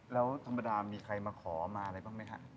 แล้วธรรมดามีใครมาขอมาอะไรบ้างไหมฮะ